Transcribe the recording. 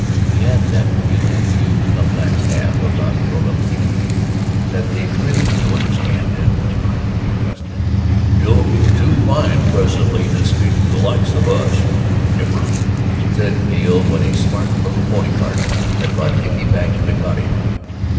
He had that feeling you sometimes have about grown up people, that they really do understand, and are to be trusted. "You'll be too fine presently to speak to the likes of us, you nipper," said Beale, when a smart little pony cart had brought Dickie back to the cottage.